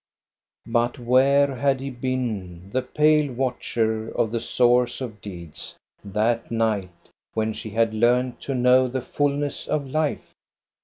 But where had he been, the pale watcher of the source of deeds, that night, when she had learned to know the fulness of life?